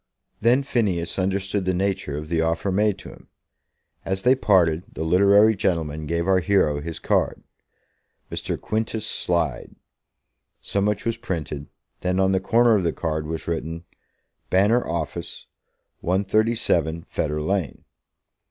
Then Phineas understood the nature of the offer made to him. As they parted, the literary gentleman gave our hero his card. "Mr. Quintus Slide." So much was printed. Then, on the corner of the card was written, "Banner Office, 137, Fetter Lane."